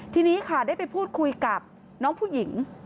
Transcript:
ทีนี้ค่ะได้ไปพูดคุยกับน้องผู้หญิง